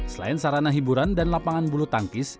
selain sarana hiburan dan lapangan bulu tangkis